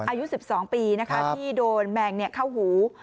อายุ๑๒ปีนะคะที่โดนแมงเข้าหู